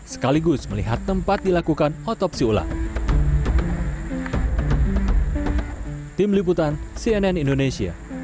sekaligus melihat tempat dilakukan otopsi ulang